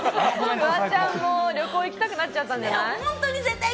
フワちゃんも旅行行きたくなったんじゃない？